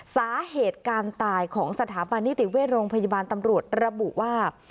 สาเหตุการตายของสถาบันนิติเวชโรงพยาบาลตำรวจระบุว่า